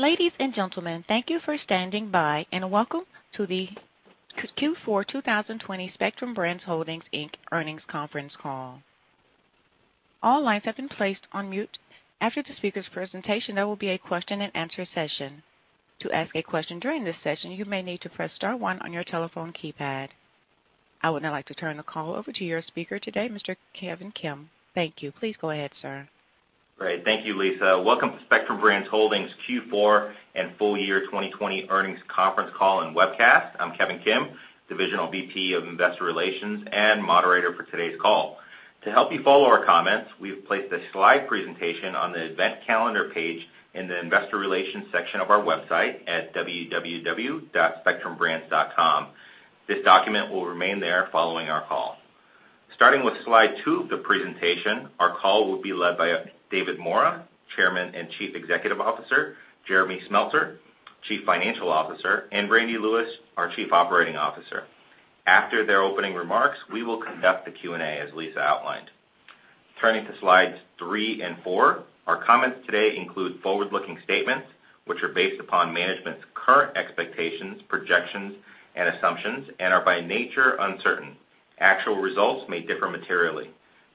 Ladies and gentlemen, thank you for standing by, and welcome to the Q4 2020 Spectrum Brands Holdings, Inc. earnings conference call. All lines have been placed on mute. After the speaker's presentation, there will be a question-and-answer session. To ask a question during this session, you may need to please press star one on your telephone keypad. I would now like to turn the call over to your speaker today, Mr. Kevin Kim. Thank you. Please go ahead, sir. Great. Thank you, Lisa. Welcome to Spectrum Brands Holdings Q4 and full year 2020 earnings conference call and webcast. I'm Kevin Kim, Divisional VP of Investor Relations and moderator for today's call. To help you follow our comments, we've placed a slide presentation on the Event Calendar page in the investor relations section of our website at www.spectrumbrands.com. This document will remain there following our call. Starting with slide two of the presentation, our call will be led by David Maura, Chairman and Chief Executive Officer, Jeremy Smeltser, Chief Financial Officer, and Randy Lewis, our Chief Operating Officer. After their opening remarks, we will conduct the Q&A as Lisa outlined. Turning to slides three and four, our comments today include forward-looking statements which are based upon management's current expectations, projections, and assumptions, and are by nature uncertain. Actual results may differ materially.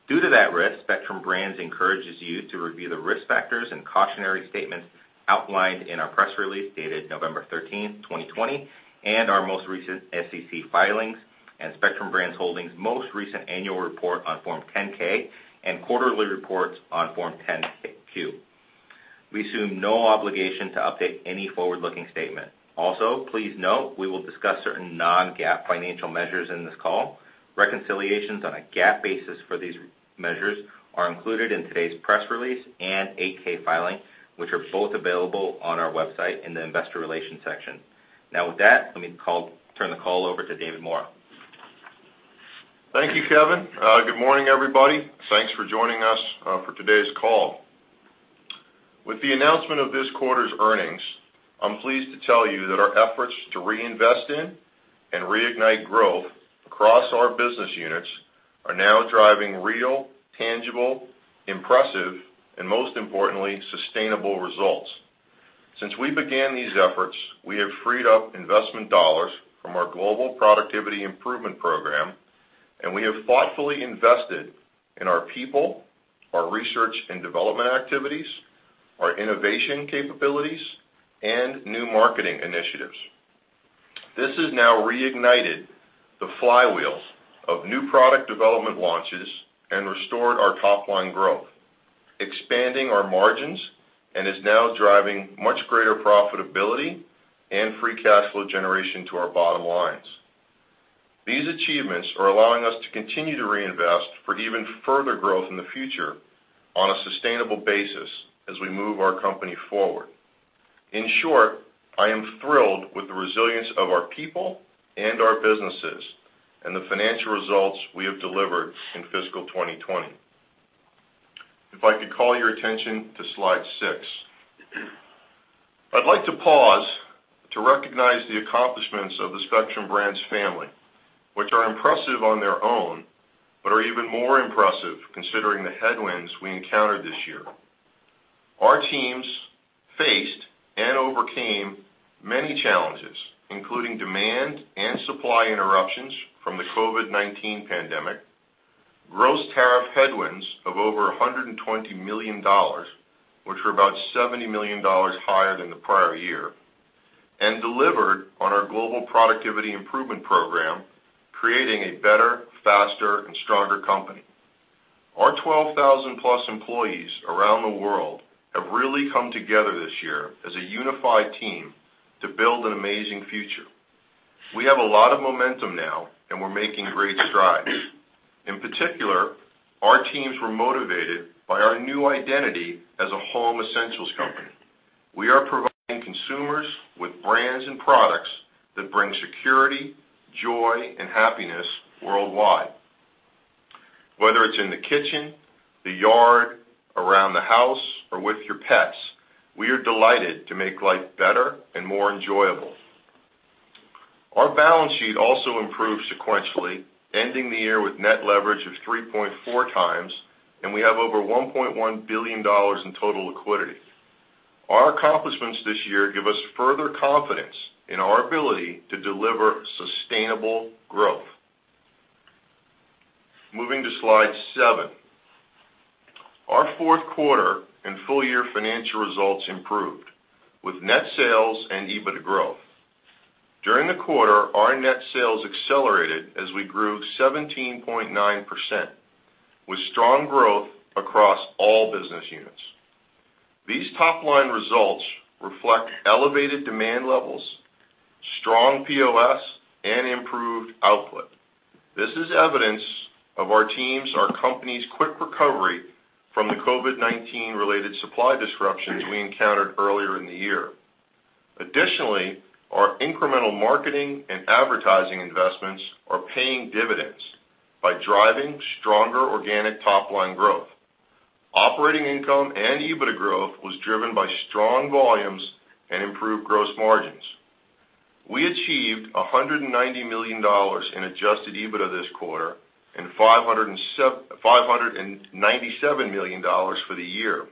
Due to that risk, Spectrum Brands encourages you to review the risk factors and cautionary statements outlined in our press release dated November 13th, 2020, and our most recent SEC filings and Spectrum Brands Holdings' most recent annual report on Form 10-K and quarterly reports on Form 10-Q. We assume no obligation to update any forward-looking statement. Also, please note we will discuss certain non-GAAP financial measures in this call. Reconciliations on a GAAP basis for these measures are included in today's press release and 8-K filing, which are both available on our website in the investor relations section. Now with that, let me turn the call over to David Maura. Thank you, Kevin. Good morning, everybody. Thanks for joining us for today's call. With the announcement of this quarter's earnings, I'm pleased to tell you that our efforts to reinvest in and reignite growth across our business units are now driving real, tangible, impressive, and most importantly, sustainable results. Since we began these efforts, we have freed up investment dollars from our Global Productivity Improvement program, we have thoughtfully invested in our people, our Research and Development activities, our innovation capabilities, and new marketing initiatives. This has now reignited the flywheels of new product development launches and restored our top-line growth, expanding our margins, and is now driving much greater profitability and free cash flow generation to our bottom lines. These achievements are allowing us to continue to reinvest for even further growth in the future on a sustainable basis as we move our company forward. In short, I am thrilled with the resilience of our people and our businesses and the financial results we have delivered in fiscal 2020. If I could call your attention to slide six. I'd like to pause to recognize the accomplishments of the Spectrum Brands family, which are impressive on their own, but are even more impressive considering the headwinds we encountered this year. Our teams faced and overcame many challenges, including demand and supply interruptions from the COVID-19 pandemic, gross tariff headwinds of over $120 million, which were about $70 million higher than the prior year, and delivered on our Global Productivity Improvement program, creating a better, faster, and stronger company. Our 12,000+ employees around the world have really come together this year as a unified team to build an amazing future. We have a lot of momentum now, and we're making great strides. In particular, our teams were motivated by our new identity as a home essentials company. We are providing consumers with brands and products that bring security, joy, and happiness worldwide. Whether it's in the kitchen, the yard, around the house, or with your pets, we are delighted to make life better and more enjoyable. Our balance sheet also improved sequentially, ending the year with net leverage of 3.4x, and we have over $1.1 billion in total liquidity. Our accomplishments this year give us further confidence in our ability to deliver sustainable growth. Moving to slide seven. Our fourth quarter and full-year financial results improved with net sales and EBITDA growth. During the quarter, our net sales accelerated as we grew 17.9%, with strong growth across all business units. These top-line results reflect elevated demand levels, strong POS, and improved output. This is evidence of our teams, our company's quick recovery from the COVID-19 related supply disruptions we encountered earlier in the year. Additionally, our incremental marketing and advertising investments are paying dividends by driving stronger organic top-line growth. Operating income and EBITDA growth was driven by strong volumes and improved gross margins. We achieved $190 million in adjusted EBITDA this quarter and $597 million for the year.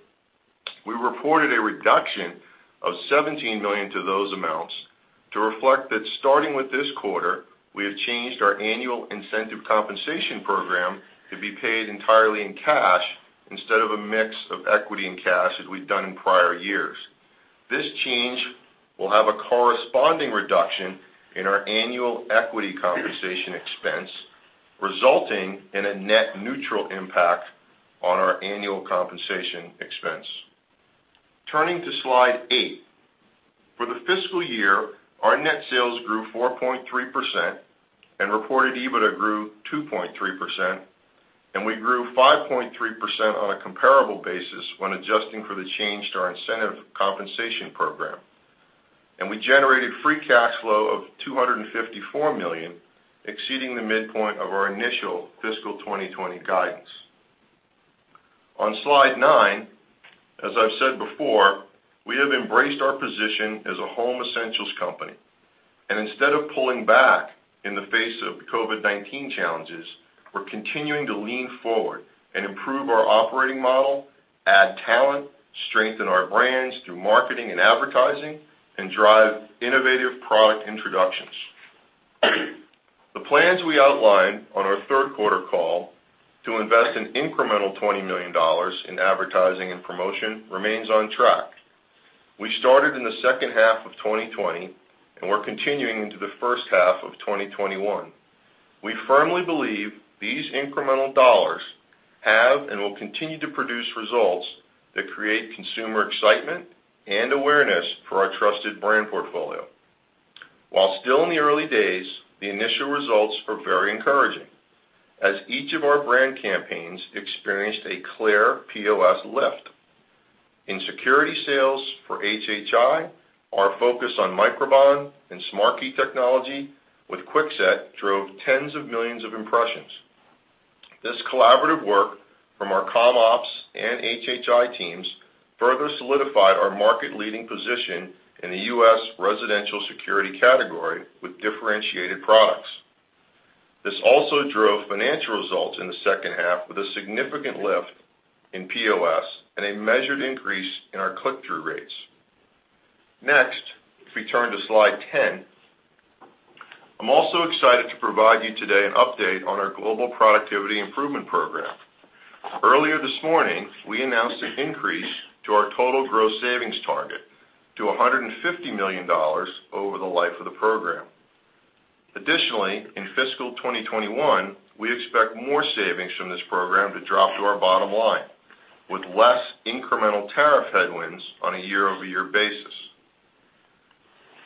We reported a reduction of $17 million to those amounts to reflect that starting with this quarter, we have changed our annual incentive compensation program to be paid entirely in cash instead of a mix of equity and cash as we've done in prior years. This change will have a corresponding reduction in our annual equity compensation expense, resulting in a net neutral impact on our annual compensation expense. Turning to slide eight. For the fiscal year, our net sales grew 4.3% and reported EBITDA grew 2.3%. We grew 5.3% on a comparable basis when adjusting for the change to our incentive compensation program and we generated free cash flow of $254 million, exceeding the midpoint of our initial fiscal 2020 guidance. On slide nine, as I've said before, we have embraced our position as a home essentials company. Instead of pulling back in the face of COVID-19 challenges, we're continuing to lean forward and improve our operating model, add talent, strengthen our brands through marketing and advertising, and drive innovative product introductions. The plans we outlined on our third quarter call to invest an incremental $20 million in advertising and promotion remains on track. We started in the second half of 2020 and we're continuing into the first half of 2021. We firmly believe these incremental dollars have, and will continue to produce results that create consumer excitement and awareness for our trusted brand portfolio. While still in the early days, the initial results are very encouraging as each of our brand campaigns experienced a clear POS lift. In security sales for HHI, our focus on Microban and SmartKey Technology with Kwikset drove tens of millions of impressions. This collaborative work from our Comm Ops and HHI teams further solidified our market-leading position in the U.S. residential security category with differentiated products. This also drove financial results in the second half with a significant lift in POS and a measured increase in our click-through rates. Next, if we turn to slide 10. I'm also excited to provide you today an update on our Global Productivity Improvement program. Earlier this morning, we announced an increase to our total gross savings target to $150 million over the life of the program. Additionally, in fiscal 2021, we expect more savings from this program to drop to our bottom line, with less incremental tariff headwinds on a year-over-year basis.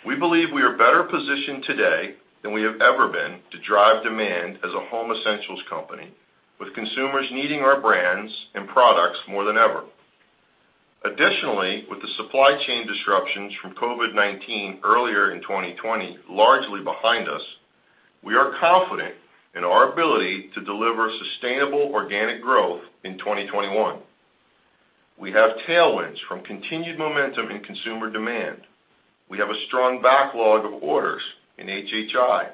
We believe we are better positioned today than we have ever been to drive demand as a home essentials company, with consumers needing our brands and products more than ever. Additionally, with the supply chain disruptions from COVID-19 earlier in 2020 largely behind us, we are confident in our ability to deliver sustainable organic growth in 2021. We have tailwinds from continued momentum in consumer demand. We have a strong backlog of orders in HHI.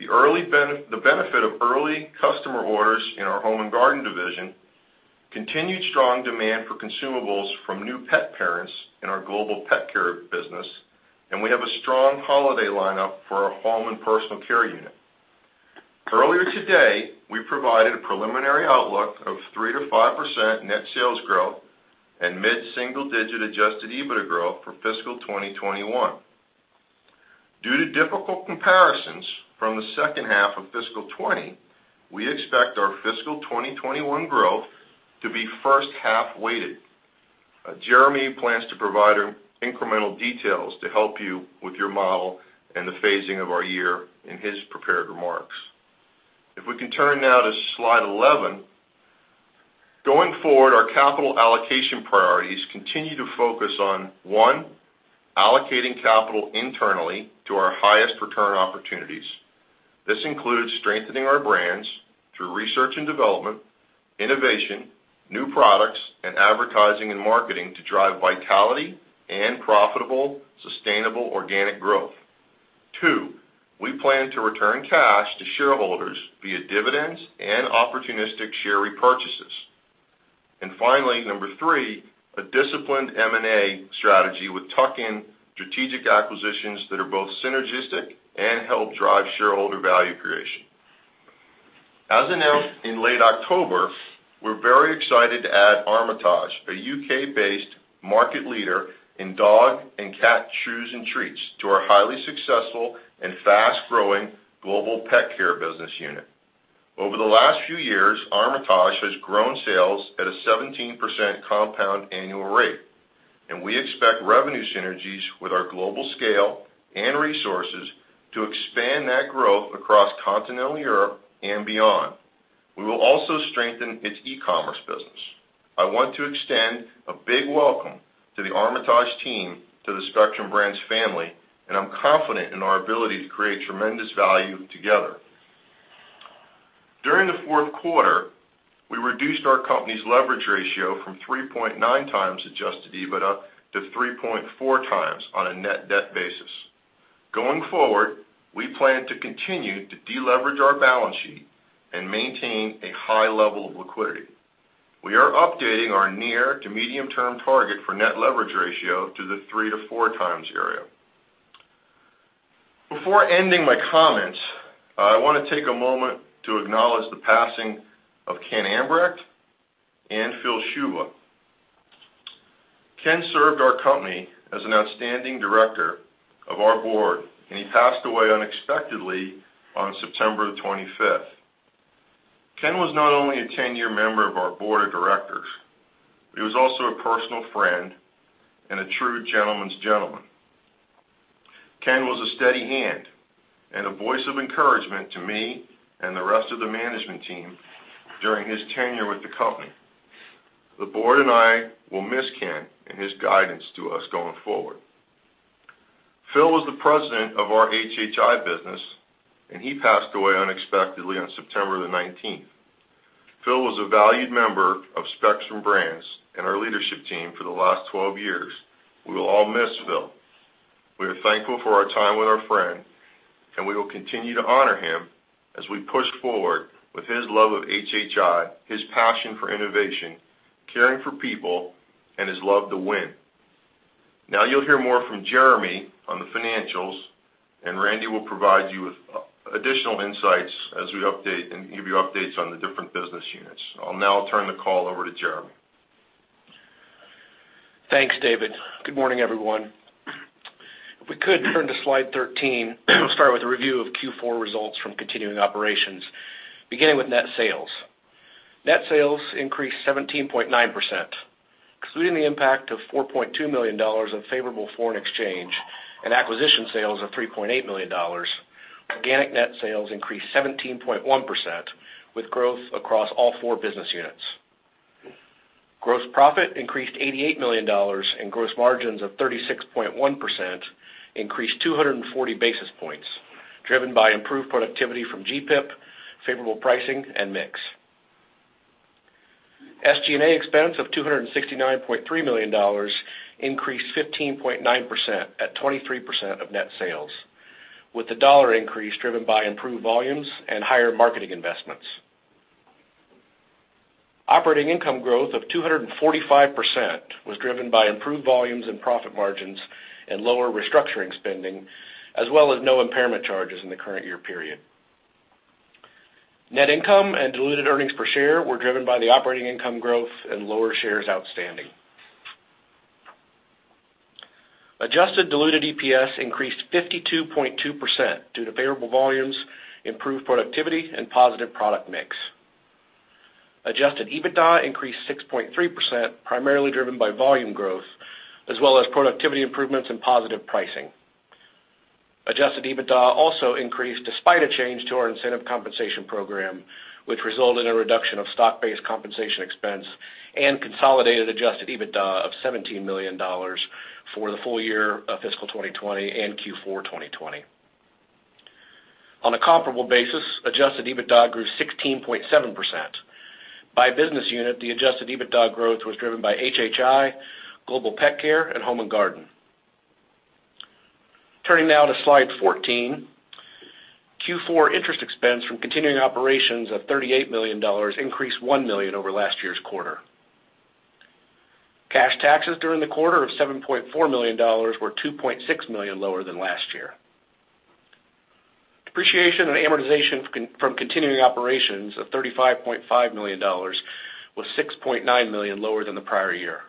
The benefit of early customer orders in our Home & Garden division, continued strong demand for consumables from new pet parents in our Global Pet Care business, and we have a strong holiday lineup for our home and personal care unit. Earlier today, we provided a preliminary outlook of 3%-5% net sales growth and mid-single digit adjusted EBITDA growth for fiscal 2021. Due to difficult comparisons from the second half of fiscal 2020, we expect our fiscal 2021 growth to be first half-weighted. Jeremy plans to provide incremental details to help you with your model and the phasing of our year in his prepared remarks. If we can turn now to slide 11. Going forward, our capital allocation priorities continue to focus on, one, allocating capital internally to our highest return opportunities. This includes strengthening our brands through research and development, innovation, new products, and advertising and marketing to drive vitality and profitable, sustainable organic growth. Two, we plan to return cash to shareholders via dividends and opportunistic share repurchases. Finally, number three, a disciplined M&A strategy with tuck-in strategic acquisitions that are both synergistic and help drive shareholder value creation. As announced in late October, we're very excited to add Armitage, a U.K.-based market leader in dog and cat chews and treats, to our highly successful and fast-growing Global Pet Care business unit. Over the last few years, Armitage has grown sales at a 17% compound annual rate, and we expect revenue synergies with our global scale and resources to expand that growth across Continental Europe and beyond. We will also strengthen its e-commerce business. I want to extend a big welcome to the Armitage team, to the Spectrum Brands family, and I'm confident in our ability to create tremendous value together. During the fourth quarter, we reduced our company's leverage ratio from 3.9 x adjusted EBITDA to 3.4x on a net debt basis. Going forward, we plan to continue to deleverage our balance sheet and maintain a high level of liquidity. We are updating our near to medium term target for net leverage ratio to the 3x-4x area. Before ending my comments, I want to take a moment to acknowledge the passing of Ken Ambrecht and Phil Szuba. Ken served our company as an outstanding Director of our Board, and he passed away unexpectedly on September the 25th. Ken was not only a 10-year Member of our Board of Directors, but he was also a personal friend and a true gentleman's gentleman. Ken was a steady hand and a voice of encouragement to me and the rest of the management team during his tenure with the company. The Board and I will miss Ken and his guidance to us going forward. Phil was the President of our HHI business, and he passed away unexpectedly on September the 19th. Phil was a valued member of Spectrum Brands and our leadership team for the last 12 years. We will all miss Phil. We are thankful for our time with our friend, and we will continue to honor him as we push forward with his love of HHI, his passion for innovation, caring for people, and his love to win. Now you'll hear more from Jeremy on the financials, and Randy will provide you with additional insights as we update and give you updates on the different business units. I'll now turn the call over to Jeremy. Thanks, David. Good morning, everyone. If we could turn to slide 13, we'll start with a review of Q4 results from continuing operations, beginning with net sales. Net sales increased 17.9%, excluding the impact of $4.2 million of favorable foreign exchange and acquisition sales of $3.8 million. Organic net sales increased 17.1%, with growth across all four business units. Gross profit increased $88 million, and gross margins of 36.1% increased 240 basis points, driven by improved productivity from GPIP, favorable pricing, and mix. SG&A expense of $269.3 million increased 15.9% at 23% of net sales, with the dollar increase driven by improved volumes and higher marketing investments. Operating income growth of 245% was driven by improved volumes and profit margins and lower restructuring spending, as well as no impairment charges in the current year period. Net income and diluted earnings per share were driven by the operating income growth and lower shares outstanding. Adjusted diluted EPS increased 52.2% due to favorable volumes, improved productivity, and positive product mix. Adjusted EBITDA increased 6.3%, primarily driven by volume growth as well as productivity improvements and positive pricing. Adjusted EBITDA also increased despite a change to our incentive compensation program, which resulted in a reduction of stock-based compensation expense and consolidated adjusted EBITDA of $17 million for the full year of fiscal 2020 and Q4 2020. On a comparable basis, adjusted EBITDA grew 16.7%. By business unit, the adjusted EBITDA growth was driven by HHI, Global Pet Care, and Home & Garden. Turning now to slide 14. Q4 interest expense from continuing operations of $38 million increased $1 million over last year's quarter. Cash taxes during the quarter of $7.4 million were $2.6 million lower than last year. Depreciation and amortization from continuing operations of $35.5 million was $6.9 million lower than the prior year.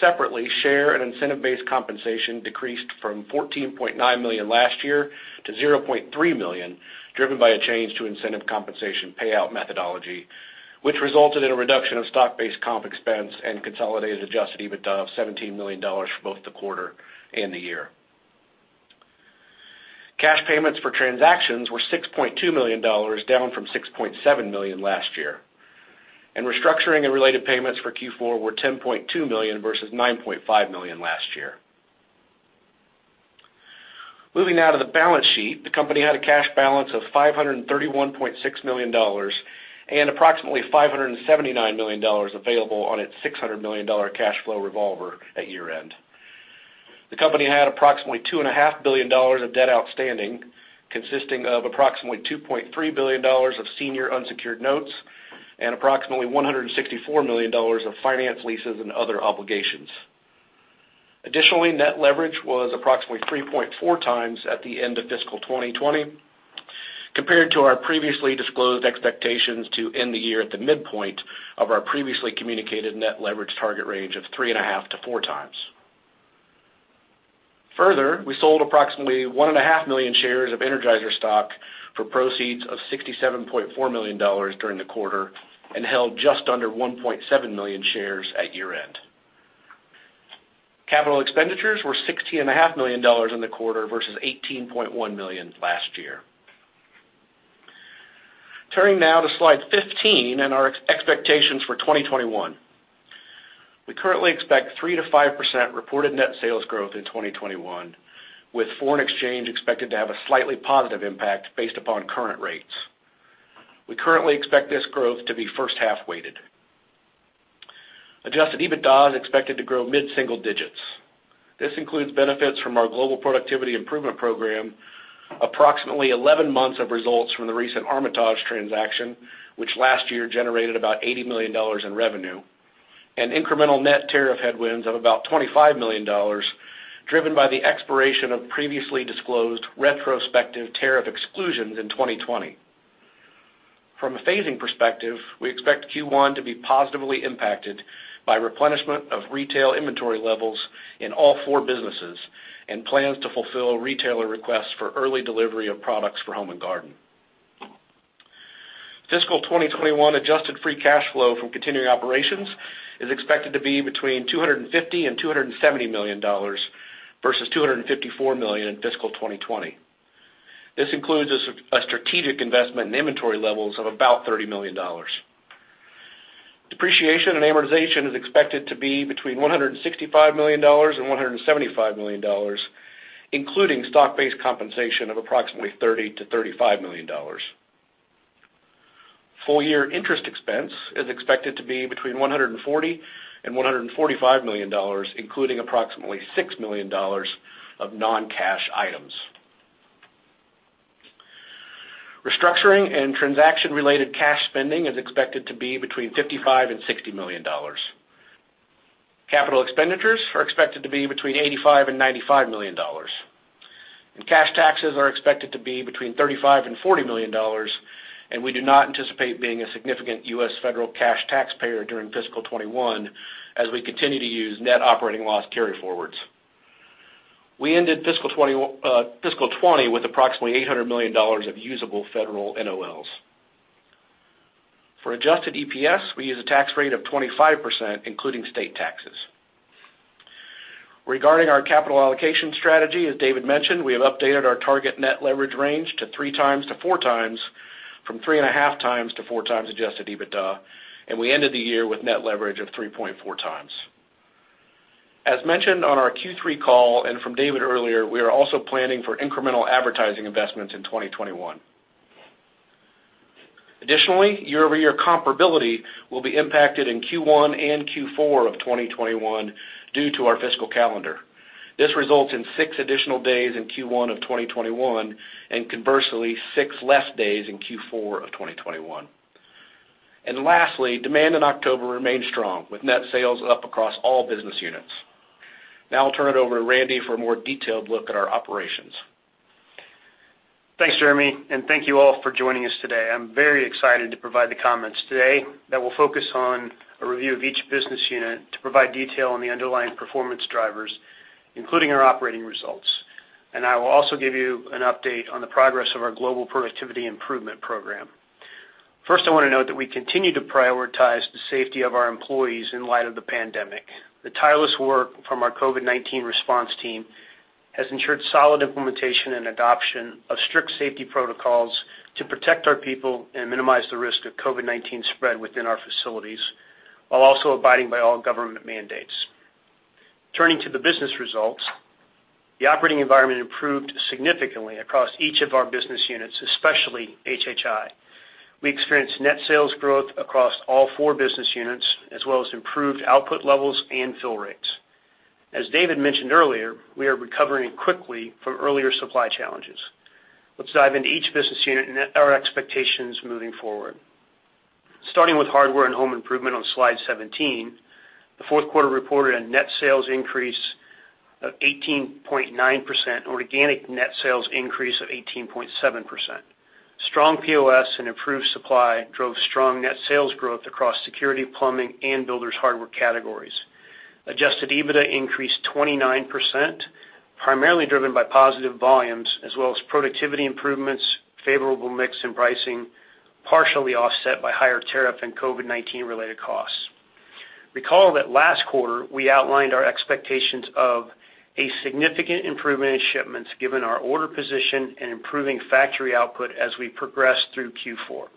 Separately, share and incentive-based compensation decreased from $14.9 million last year to $0.3 million, driven by a change to incentive compensation payout methodology, which resulted in a reduction of stock-based comp expense and consolidated adjusted EBITDA of $17 million for both the quarter and the year. Cash payments for transactions were $6.2 million, down from $6.7 million last year, and restructuring and related payments for Q4 were $10.2 million, versus $9.5 million last year. Moving now to the balance sheet. The company had a cash balance of $531.6 million and approximately $579 million available on its $600 million cash flow revolver at year-end. The company had approximately $2.5 billion of debt outstanding, consisting of approximately $2.3 billion of senior unsecured notes and approximately $164 million of finance leases and other obligations. Additionally, net leverage was approximately 3.4x at the end of fiscal 2020, compared to our previously disclosed expectations to end the year at the midpoint of our previously communicated net leverage target range of 3.5x-4x. Further, we sold approximately 1.5 million shares of Energizer stock for proceeds of $67.4 million during the quarter and held just under 1.7 million shares at year-end. Capital expenditures were $16.5 million in the quarter versus $18.1 million last year. Turning now to slide 15 and our expectations for 2021. We currently expect 3%-5% reported net sales growth in 2021, with foreign exchange expected to have a slightly positive impact based upon current rates. We currently expect this growth to be first-half weighted. Adjusted EBITDA is expected to grow mid-single digits. This includes benefits from our Global Productivity Improvement program, approximately 11 months of results from the recent Armitage transaction, which last year generated about $80 million in revenue, and incremental net tariff headwinds of about $25 million, driven by the expiration of previously disclosed retrospective tariff exclusions in 2020. From a phasing perspective, we expect Q1 to be positively impacted by replenishment of retail inventory levels in all four businesses and plans to fulfill retailer requests for early delivery of products for Home & Garden. Fiscal 2021 adjusted free cash flow from continuing operations is expected to be between $250 million and $270 million versus $254 million in fiscal 2020. This includes a strategic investment in inventory levels of about $30 million. Depreciation and amortization is expected to be between $165 million and $175 million, including stock-based compensation of approximately $30 million-$35 million. Full-year interest expense is expected to be between $140 million and $145 million, including approximately $6 million of non-cash items. Restructuring and transaction-related cash spending is expected to be between $55 million and $60 million. Capital expenditures are expected to be between $85 million and $95 million. Cash taxes are expected to be between $35 million and $40 million, and we do not anticipate being a significant U.S. federal cash taxpayer during fiscal 2021 as we continue to use net operating loss carryforwards. We ended fiscal 2020 with approximately $800 million of usable federal NOLs. For adjusted EPS, we use a tax rate of 25%, including state taxes. Regarding our capital allocation strategy, as David mentioned, we have updated our target net leverage range to 3x-4x from 3.5x-4x adjusted EBITDA, and we ended the year with net leverage of 3.4x. As mentioned on our Q3 call and from David earlier, we are also planning for incremental advertising investments in 2021. Additionally, year-over-year comparability will be impacted in Q1 and Q4 of 2021 due to our fiscal calendar. This results in six additional days in Q1 of 2021, and conversely, six less days in Q4 of 2021. Lastly, demand in October remained strong, with net sales up across all business units. Now, I'll turn it over to Randy for a more detailed look at our operations. Thanks, Jeremy. Thank you all for joining us today. I'm very excited to provide the comments today that will focus on a review of each business unit to provide detail on the underlying performance drivers, including our operating results. I will also give you an update on the progress of our Global Productivity Improvement program. First, I want to note that we continue to prioritize the safety of our employees in light of the pandemic. The tireless work from our COVID-19 response team has ensured solid implementation and adoption of strict safety protocols to protect our people and minimize the risk of COVID-19 spread within our facilities, while also abiding by all government mandates. Turning to the business results, the operating environment improved significantly across each of our business units, especially HHI. We experienced net sales growth across all four business units, as well as improved output levels and fill rates. As David mentioned earlier, we are recovering quickly from earlier supply challenges. Let's dive into each business unit and our expectations moving forward. Starting with Hardware & Home Improvement on slide 17, the fourth quarter reported a net sales increase of 18.9%, an organic net sales increase of 18.7%. Strong POS and improved supply drove strong net sales growth across security, plumbing, and builders hardware categories. Adjusted EBITDA increased 29%, primarily driven by positive volumes, as well as productivity improvements, favorable mix and pricing, partially offset by higher tariff and COVID-19 related costs. Recall that last quarter, we outlined our expectations of a significant improvement in shipments given our order position and improving factory output as we progressed through Q4.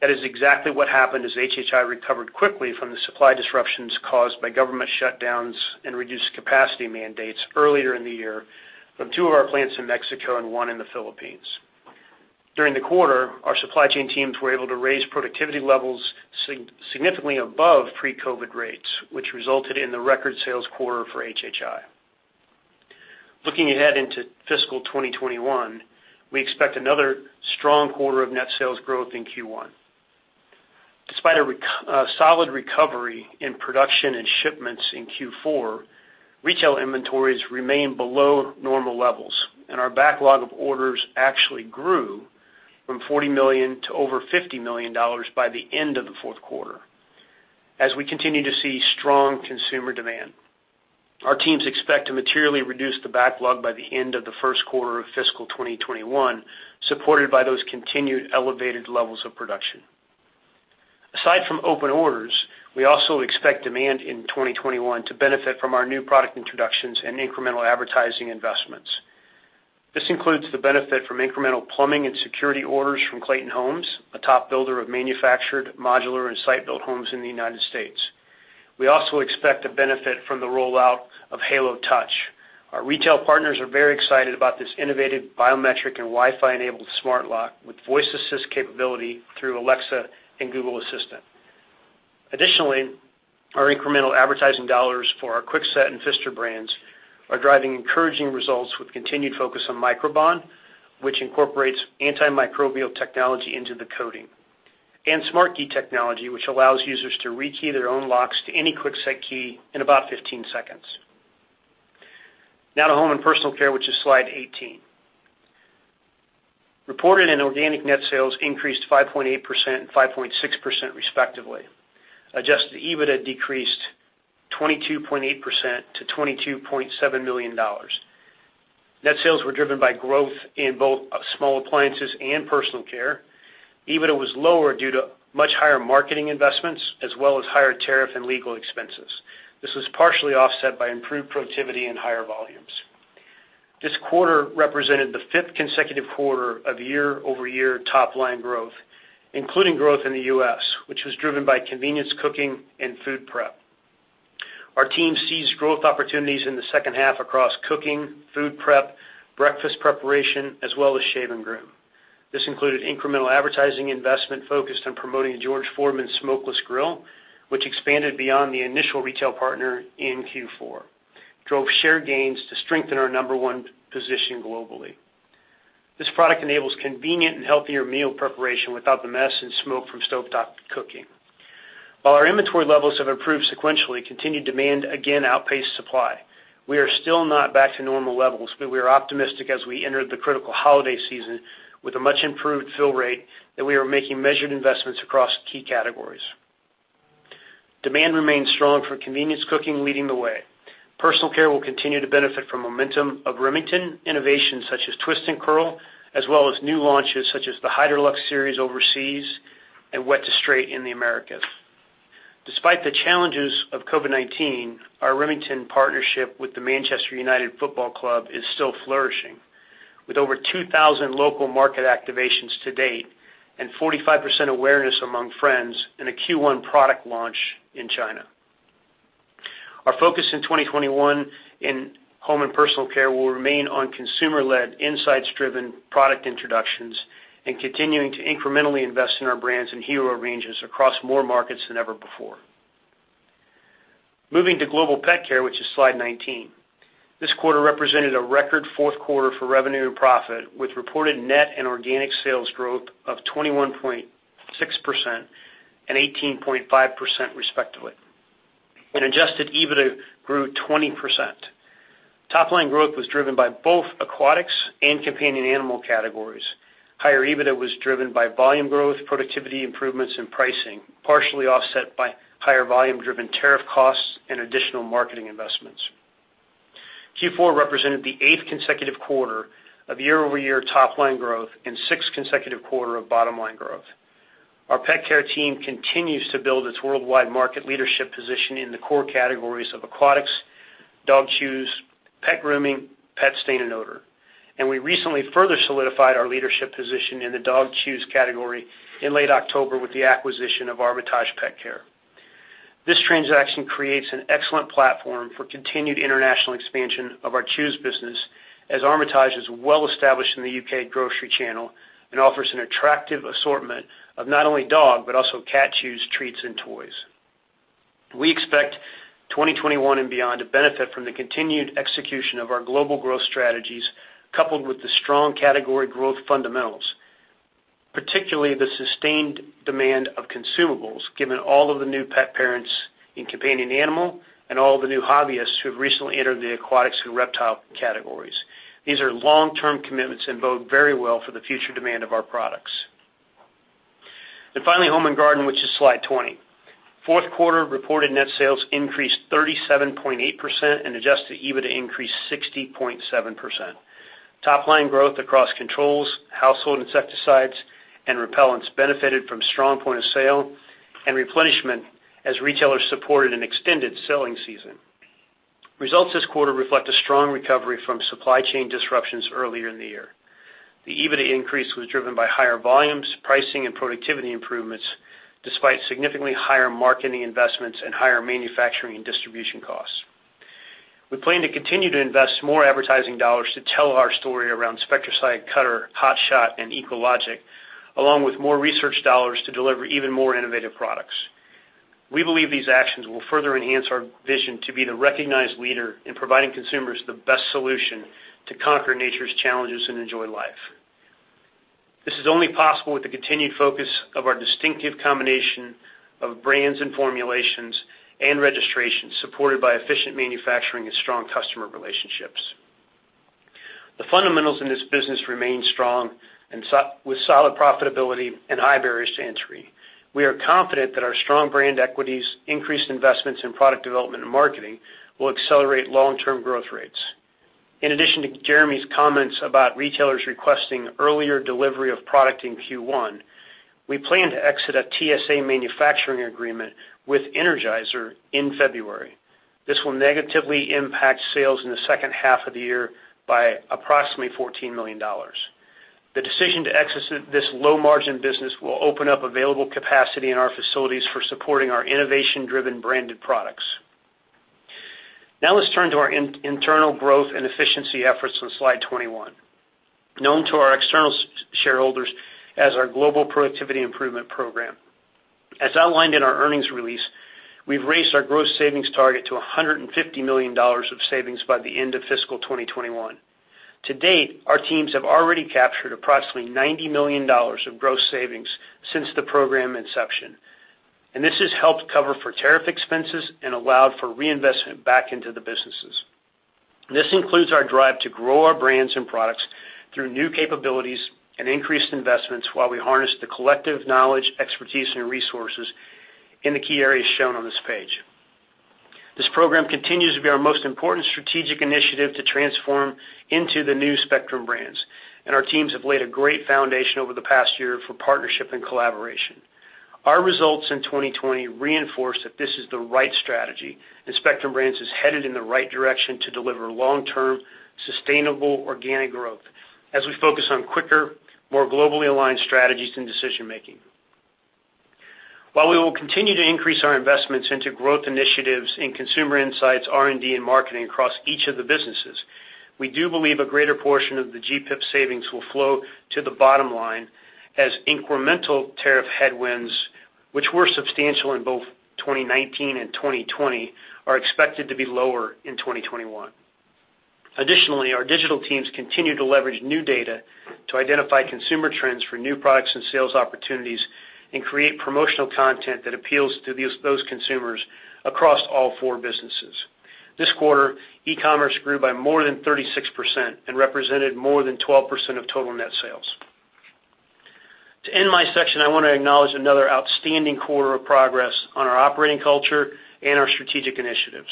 That is exactly what happened as HHI recovered quickly from the supply disruptions caused by government shutdowns and reduced capacity mandates earlier in the year from two of our plants in Mexico and one in the Philippines. During the quarter, our supply chain teams were able to raise productivity levels significantly above pre-COVID rates, which resulted in the record sales quarter for HHI. Looking ahead into fiscal 2021, we expect another strong quarter of net sales growth in Q1. Despite a solid recovery in production and shipments in Q4, retail inventories remain below normal levels, and our backlog of orders actually grew from $40 million to over $50 million by the end of the fourth quarter as we continue to see strong consumer demand. Our teams expect to materially reduce the backlog by the end of the first quarter of fiscal 2021, supported by those continued elevated levels of production. Aside from open orders, we also expect demand in 2021 to benefit from our new product introductions and incremental advertising investments. This includes the benefit from incremental plumbing and security orders from Clayton Homes, a top builder of manufactured, modular, and site-built homes in the United States. We also expect to benefit from the rollout of Halo Touch. Our retail partners are very excited about this innovative biometric and Wi-Fi enabled smart lock with voice assist capability through Alexa and Google Assistant. Additionally, our incremental advertising dollars for our Kwikset and Pfister brands are driving encouraging results with continued focus on Microban, which incorporates antimicrobial technology into the coating, and SmartKey Technology, which allows users to re-key their own locks to any Kwikset key in about 15 seconds. To Home & Personal Care, which is slide 18. Reported and organic net sales increased 5.8% and 5.6% respectively. Adjusted EBITDA decreased 22.8% to $22.7 million. Net sales were driven by growth in both small appliances and personal care. EBITDA was lower due to much higher marketing investments, as well as higher tariff and legal expenses. This was partially offset by improved productivity and higher volumes. This quarter represented the fifth consecutive quarter of year-over-year top line growth, including growth in the U.S., which was driven by convenience cooking and food prep. Our team seized growth opportunities in the second half across cooking, food prep, breakfast preparation, as well as shave and groom. This included incremental advertising investment focused on promoting George Foreman's Smokeless Grill, which expanded beyond the initial retail partner in Q4, drove share gains to strengthen our number one position globally. This product enables convenient and healthier meal preparation without the mess and smoke from stovetop cooking. While our inventory levels have improved sequentially, continued demand again outpaced supply. We are still not back to normal levels, but we are optimistic as we enter the critical holiday season with a much improved fill rate that we are making measured investments across key categories. Demand remains strong for convenience cooking leading the way. Personal care will continue to benefit from momentum of Remington innovations such as Twist & Curl, as well as new launches such as the Hydraluxe series overseas and Wet2Straight in the Americas. Despite the challenges of COVID-19, our Remington partnership with the Manchester United Football Club is still flourishing, with over 2,000 local market activations to date and 45% awareness among friends in a Q1 product launch in China. Our focus in 2021 in home and personal care will remain on consumer-led, insights-driven product introductions and continuing to incrementally invest in our brands and hero ranges across more markets than ever before. Moving to Global Pet Care, which is slide 19. This quarter represented a record fourth quarter for revenue and profit, with reported net and organic sales growth of 21.6% and 18.5% respectively, and adjusted EBITDA grew 20%. Top line growth was driven by both aquatics and companion animal categories. Higher EBITDA was driven by volume growth, productivity improvements, and pricing, partially offset by higher volume-driven tariff costs and additional marketing investments. Q4 represented the eighth consecutive quarter of year-over-year top line growth and sixth consecutive quarter of bottom line growth. Our pet care team continues to build its worldwide market leadership position in the core categories of aquatics, dog chews, pet grooming, pet stain and odor. We recently further solidified our leadership position in the dog chews category in late October with the acquisition of Armitage Pet Care. This transaction creates an excellent platform for continued international expansion of our chews business, as Armitage is well-established in the U.K. grocery channel and offers an attractive assortment of not only dog, but also cat chews, treats, and toys. We expect 2021 and beyond to benefit from the continued execution of our global growth strategies, coupled with the strong category growth fundamentals, particularly the sustained demand of consumables, given all of the new pet parents in companion animal and all the new hobbyists who have recently entered the aquatics and reptile categories. These are long-term commitments and bode very well for the future demand of our products. Finally, Home & Garden, which is slide 20. Fourth quarter reported net sales increased 37.8% and adjusted EBITDA increased 60.7%. Top line growth across controls, household insecticides, and repellents benefited from strong point of sale and replenishment as retailers supported an extended selling season. Results this quarter reflect a strong recovery from supply chain disruptions earlier in the year. The EBITDA increase was driven by higher volumes, pricing, and productivity improvements, despite significantly higher marketing investments and higher manufacturing and distribution costs. We plan to continue to invest more advertising dollars to tell our story around Spectracide, Cutter, Hot Shot, and EcoLogic, along with more research dollars to deliver even more innovative products. We believe these actions will further enhance our vision to be the recognized leader in providing consumers the best solution to conquer nature's challenges and enjoy life. This is only possible with the continued focus of our distinctive combination of brands and formulations and registrations, supported by efficient manufacturing and strong customer relationships. The fundamentals in this business remain strong, and with solid profitability and high barriers to entry. We are confident that our strong brand equities, increased investments in product development and marketing will accelerate long-term growth rates. In addition to Jeremy's comments about retailers requesting earlier delivery of product in Q1, we plan to exit a TSA manufacturing agreement with Energizer in February. This will negatively impact sales in the second half of the year by approximately $14 million. The decision to exit this low-margin business will open up available capacity in our facilities for supporting our innovation-driven branded products. Now let's turn to our internal growth and efficiency efforts on slide 21, known to our external shareholders as our Global Productivity Improvement program. As outlined in our earnings release, we've raised our gross savings target to $150 million of savings by the end of fiscal 2021. To date, our teams have already captured approximately $90 million of gross savings since the program inception, and this has helped cover for tariff expenses and allowed for reinvestment back into the businesses. This includes our drive to grow our brands and products through new capabilities and increased investments while we harness the collective knowledge, expertise, and resources in the key areas shown on this page. This program continues to be our most important strategic initiative to transform into the new Spectrum Brands, and our teams have laid a great foundation over the past year for partnership and collaboration. Our results in 2020 reinforce that this is the right strategy and Spectrum Brands is headed in the right direction to deliver long-term, sustainable organic growth as we focus on quicker, more globally aligned strategies and decision-making. While we will continue to increase our investments into growth initiatives in consumer insights, R&D, and marketing across each of the businesses, we do believe a greater portion of the GPIP savings will flow to the bottom line as incremental tariff headwinds, which were substantial in both 2019 and 2020, are expected to be lower in 2021. Additionally, our digital teams continue to leverage new data to identify consumer trends for new products and sales opportunities and create promotional content that appeals to those consumers across all four businesses. This quarter, e-commerce grew by more than 36% and represented more than 12% of total net sales. To end my section, I want to acknowledge another outstanding quarter of progress on our operating culture and our strategic initiatives,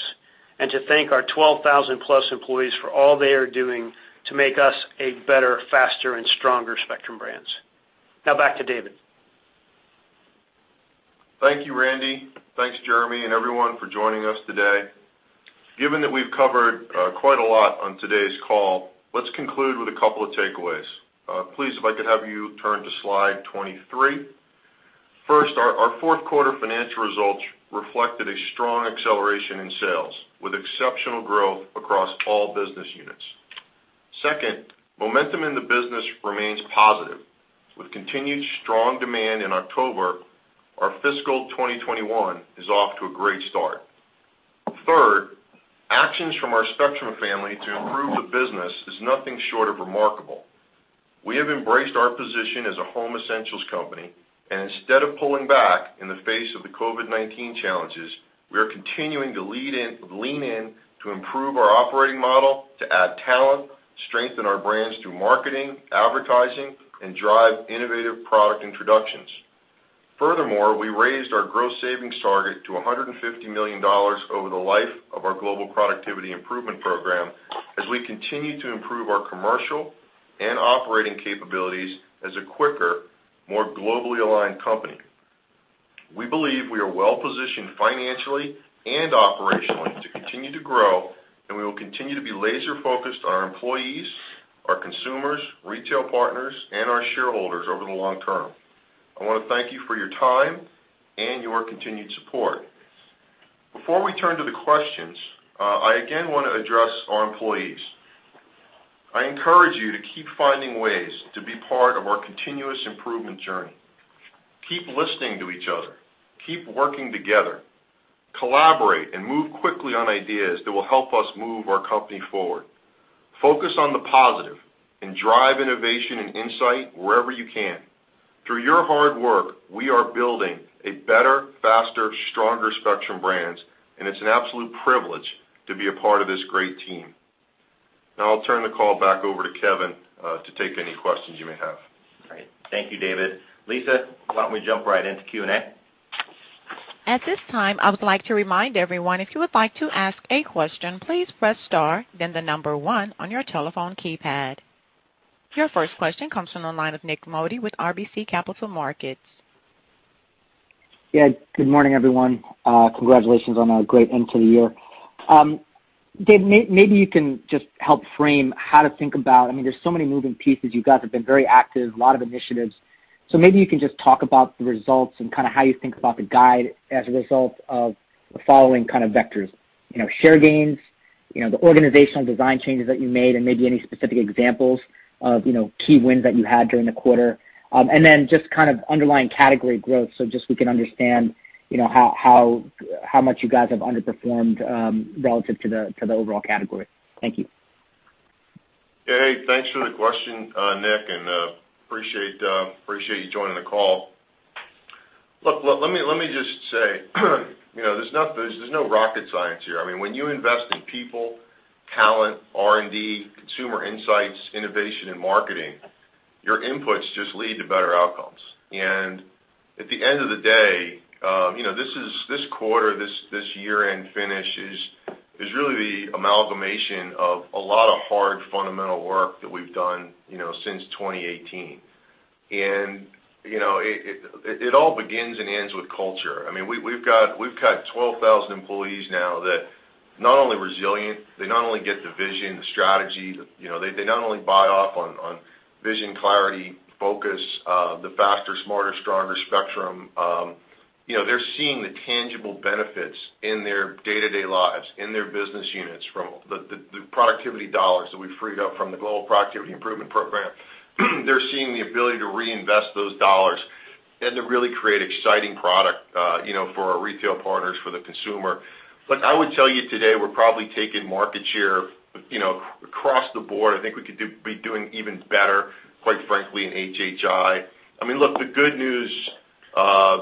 and to thank our 12,000+ employees for all they are doing to make us a better, faster, and stronger Spectrum Brands. Now, back to David. Thank you, Randy. Thanks, Jeremy, and everyone for joining us today. Given that we've covered quite a lot on today's call, let's conclude with a couple of takeaways. Please, if I could have you turn to slide 23. First, our fourth quarter financial results reflected a strong acceleration in sales with exceptional growth across all business units. Second, momentum in the business remains positive. With continued strong demand in October, our fiscal 2021 is off to a great start. Third, actions from our Spectrum family to improve the business is nothing short of remarkable. We have embraced our position as a home essentials company, and instead of pulling back in the face of the COVID-19 challenges, we are continuing to lean in to improve our operating model, to add talent, strengthen our brands through marketing, advertising, and drive innovative product introductions. Furthermore, we raised our gross savings target to $150 million over the life of our Global Productivity Improvement program as we continue to improve our commercial and operating capabilities as a quicker, more globally aligned company. We believe we are well positioned financially and operationally to continue to grow, we will continue to be laser-focused on our employees, our consumers, retail partners, and our shareholders over the long term. I want to thank you for your time and your continued support. Before we turn to the questions, I again want to address our employees. I encourage you to keep finding ways to be part of our continuous improvement journey. Keep listening to each other. Keep working together. Collaborate and move quickly on ideas that will help us move our company forward. Focus on the positive and drive innovation and insight wherever you can. Through your hard work, we are building a better, faster, stronger Spectrum Brands, and it's an absolute privilege to be a part of this great team. Now I'll turn the call back over to Kevin to take any questions you may have. Great. Thank you, David. Lisa, why don't we jump right into Q&A? At this time, I would like to remind everyone, if you would like to ask a question, please press star, then the number one on your telephone keypad. Your first question comes from the line of Nik Modi with RBC Capital Markets. Yeah. Good morning, everyone. Congratulations on a great end to the year. Dave, maybe you can just help frame how to think about, I mean, there's so many moving pieces. You guys have been very active, a lot of initiatives. Maybe you can just talk about the results and kind of how you think about the guide as a result of the following kind of vectors. Share gains, the organizational design changes that you made, and maybe any specific examples of key wins that you had during the quarter. Just kind of underlying category growth, so just we can understand how much you guys have underperformed, relative to the overall category. Thank you. Hey, thanks for the question, Nik, and appreciate you joining the call. Look, let me just say, there's no rocket science here. I mean, when you invest in people, talent, R&D, consumer insights, innovation, and marketing, your inputs just lead to better outcomes. At the end of the day, this quarter, this year-end finish is really the amalgamation of a lot of hard fundamental work that we've done since 2018. It all begins and ends with culture. We've got 12,000 employees now that not only resilient, they not only get the vision, the strategy, they not only buy off on vision, clarity, focus, the faster, smarter, stronger Spectrum Brands. They're seeing the tangible benefits in their day-to-day lives, in their business units, from the productivity dollars that we've freed up from the Global Productivity Improvement program. They're seeing the ability to reinvest those dollars and to really create exciting product for our retail partners, for the consumer. Look, I would tell you today, we're probably taking market share across the Board. I think we could be doing even better, quite frankly, in HHI. Look, the good news,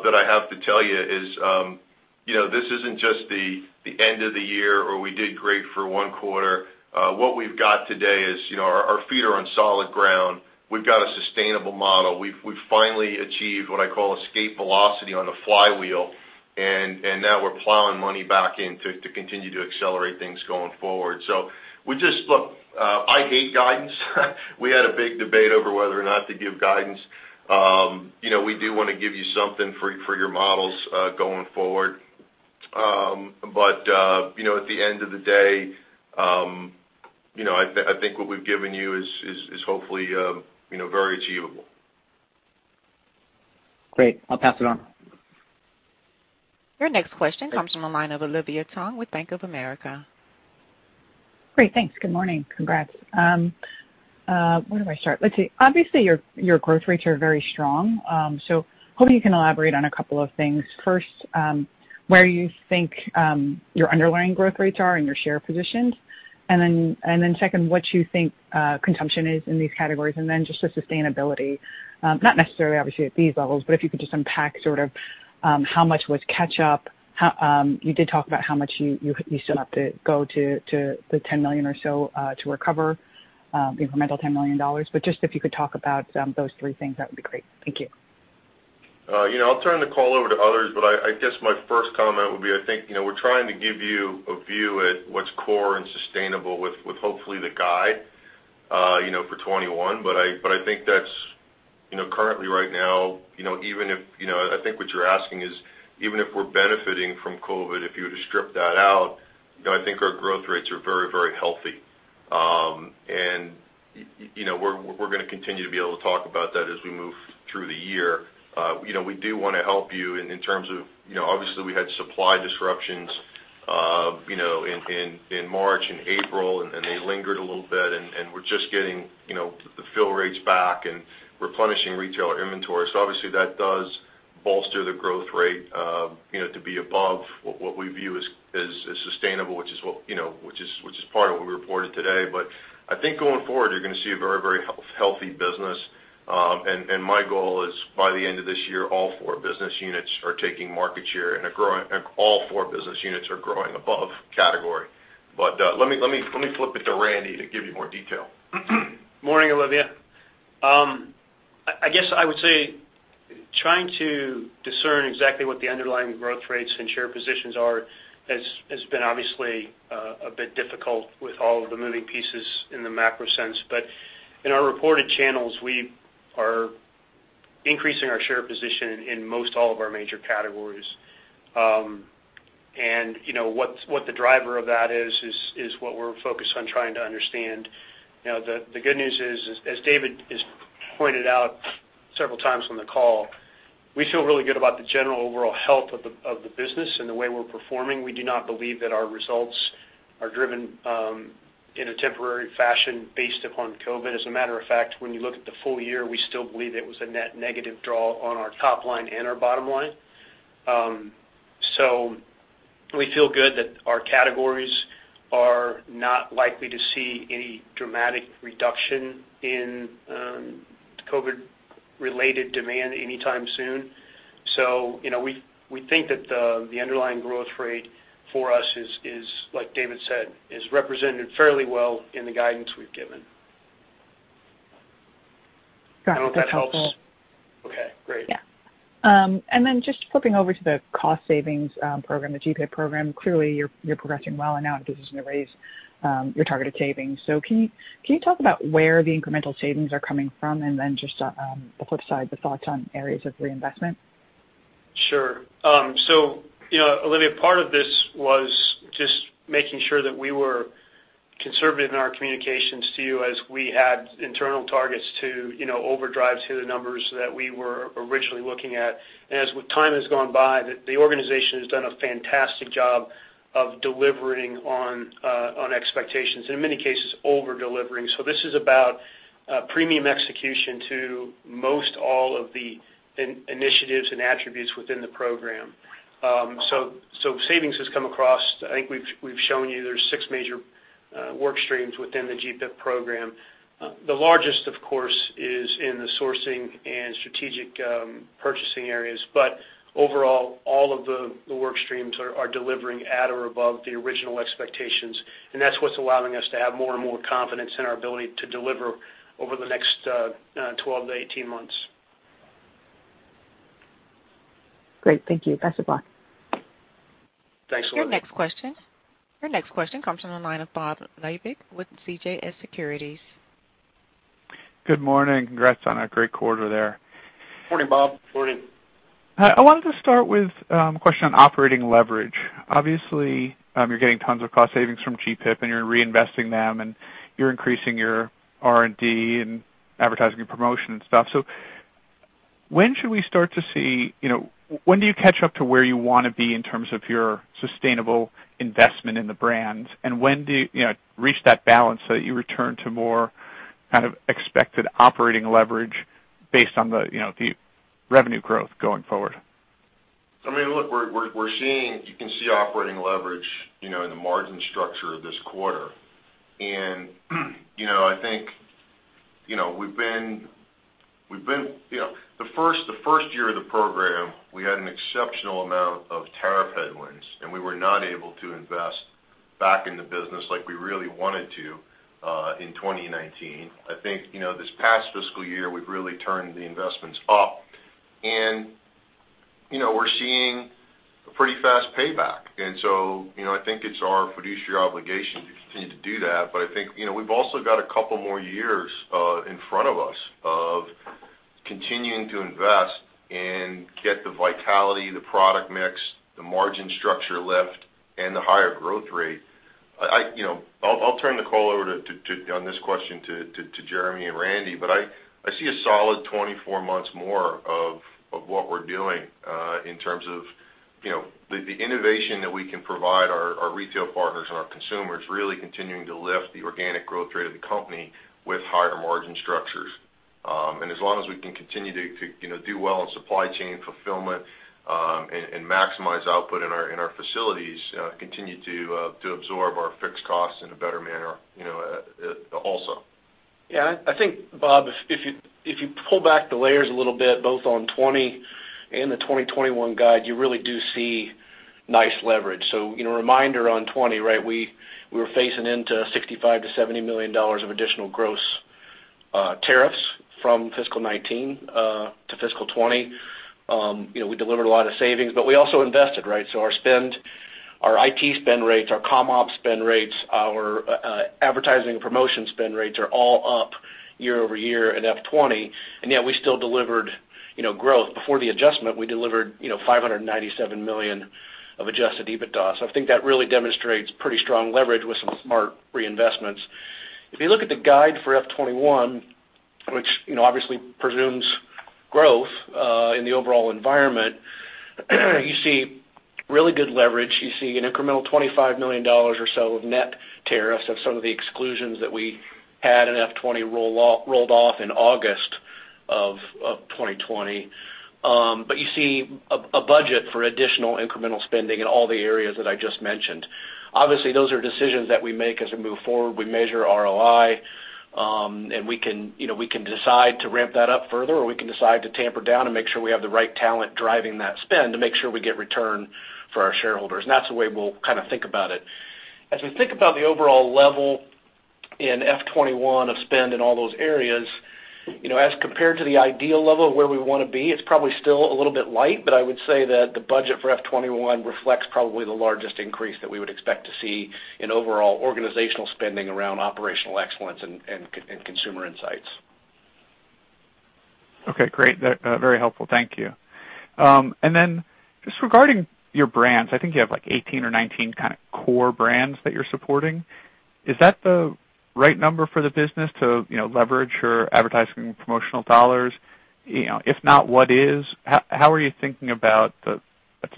that I have to tell you is, this isn't just the end of the year or we did great for one quarter. What we've got today is, our feet are on solid ground. We've got a sustainable model. We've finally achieved what I call escape velocity on the flywheel, and now we're plowing money back in to continue to accelerate things going forward. Look, I hate guidance. We had a big debate over whether or not to give guidance. We do want to give you something for your models, going forward. At the end of the day, I think what we've given you is hopefully very achievable. Great. I'll pass it on. Your next question comes from the line of Olivia Tong with Bank of America. Great. Thanks. Good morning. Congrats. Where do I start? Let's see. Obviously, your growth rates are very strong. Hopefully you can elaborate on a couple of things. First, where you think your underlying growth rates are and your share positions and then second, what you think consumption is in these categories, and just the sustainability. Not necessarily obviously at these levels, if you could just unpack sort of how much was catch-up. You did talk about how much you still have to go to the $10 million or so to recover the incremental $10 million. Just if you could talk about those three things, that would be great. Thank you. I'll turn the call over to others, but I guess my first comment would be, I think we're trying to give you a view at what's core and sustainable with hopefully the guide for 2021. I think that's currently right now, I think what you're asking is, even if we're benefiting from COVID, if you were to strip that out, I think our growth rates are very healthy. We're going to continue to be able to talk about that as we move through the year. We do want to help you in terms of, obviously we had supply disruptions in March and April, and they lingered a little bit, and we're just getting the fill rates back and replenishing retailer inventory. Obviously that does bolster the growth rate to be above what we view as sustainable, which is part of what we reported today. I think going forward, you're going to see a very healthy business. My goal is by the end of this year, all four business units are taking market share and all four business units are growing above category. Let me flip it to Randy to give you more detail. Morning, Olivia. I guess I would say trying to discern exactly what the underlying growth rates and share positions are has been obviously, a bit difficult with all of the moving pieces in the macro sense. In our reported channels, we are increasing our share position in most all of our major categories. What the driver of that is what we're focused on trying to understand. The good news is, as David has pointed out several times on the call, we feel really good about the general overall health of the business and the way we're performing. We do not believe that our results are driven in a temporary fashion based upon COVID. As a matter of fact, when you look at the full year, we still believe it was a net negative draw on our top line and our bottom line. We feel good that our categories are not likely to see any dramatic reduction in COVID-related demand anytime soon. We think that the underlying growth rate for us is, like David said, is represented fairly well in the guidance we've given. Got it. That's helpful. I hope that helps. Okay, great. Yeah. Just flipping over to the cost savings program, the GPIP program. Clearly, you're progressing well and now it gives you some raise, your targeted savings. Can you talk about where the incremental savings are coming from? Just, the flip side, the thoughts on areas of reinvestment? Sure. Olivia, part of this was just making sure that we were conservative in our communications to you as we had internal targets to overdrive to the numbers that we were originally looking at. As time has gone by, the organization has done a fantastic job of delivering on expectations, in many cases, over-delivering. This is about premium execution to most all of the initiatives and attributes within the program. Savings has come across, I think we've shown you there's six major work streams within the GPIP program. The largest, of course, is in the sourcing and strategic purchasing areas. Overall, all of the work streams are delivering at or above the original expectations. That's what's allowing us to have more and more confidence in our ability to deliver over the next 12 and 18 months. Great. Thank you. Best of luck. Thanks a lot. Your next question comes from the line of Bob Labick with CJS Securities. Good morning. Congrats on a great quarter there. Morning, Bob. Morning. I wanted to start with a question on operating leverage. Obviously, you're getting tons of cost savings from GPIP, and you're reinvesting them, and you're increasing your R&D and advertising and promotion and stuff. When do you catch up to where you want to be in terms of your sustainable investment in the brands? When do you reach that balance that you return to more kind of expected operating leverage based on the revenue growth going forward? You can see operating leverage in the margin structure of this quarter. The first year of the program, we had an exceptional amount of tariff headwinds, and we were not able to invest back in the business like we really wanted to in 2019. I think this past fiscal year, we've really turned the investments up, and we're seeing a pretty fast payback. I think it's our fiduciary obligation to continue to do that. I think, we've also got a couple more years in front of us of continuing to invest and get the vitality, the product mix, the margin structure lift, and the higher growth rate. I'll turn the call over, on this question, to Jeremy and Randy. I see a solid 24 months more of what we're doing in terms of the innovation that we can provide our retail partners and our consumers, really continuing to lift the organic growth rate of the company with higher margin structures. As long as we can continue to do well in supply chain fulfillment and maximize output in our facilities, continue to absorb our fixed costs in a better manner also. Yeah. I think, Bob, if you pull back the layers a little bit, both on FY 2020 and the 2021 guide, you really do see nice leverage. Reminder on FY 2020, right, we were facing into $65 million to $70 million of additional gross tariffs from fiscal 2019 to fiscal 2020. We delivered a lot of savings, we also invested, right? Our IT spend rates, our comm op spend rates, our advertising and promotion spend rates are all up year-over-year in FY 2020, and yet we still delivered growth. Before the adjustment, we delivered $597 million of adjusted EBITDA. I think that really demonstrates pretty strong leverage with some smart reinvestments. If you look at the guide for FY 2021, which obviously presumes growth in the overall environment, you see really good leverage. You see an incremental $25 million or so of net tariffs of some of the exclusions that we had in FY 2020 rolled off in August of 2020. You see a budget for additional incremental spending in all the areas that I just mentioned. Obviously, those are decisions that we make as we move forward. We measure ROI, and we can decide to ramp that up further, or we can decide to tamper down and make sure we have the right talent driving that spend to make sure we get return for our shareholders. That's the way we'll think about it. As we think about the overall level in FY 2021 of spend in all those areas, as compared to the ideal level of where we want to be, it's probably still a little bit light, but I would say that the budget for FY 2021 reflects probably the largest increase that we would expect to see in overall organizational spending around operational excellence and consumer insights. Okay, great. Very helpful. Thank you. Then just regarding your brands, I think you have 18 or 19 core brands that you're supporting. Is that the right number for the business to leverage your advertising and promotional dollars? If not, what is? How are you thinking about what